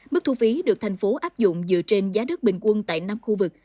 mức thu phí được thành phố áp dụng dựa trên giá đất bình quân tại năm khu vực